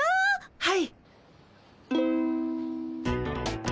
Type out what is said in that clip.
はい。